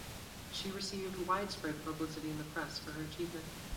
She received widespread publicity in the press for her achievement.